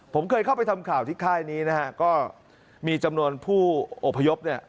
ผมเคยเข้าไปทำข่าวที่ค่ายนี้นะฮะก็มีจำนวนผู้อพยพเนี่ย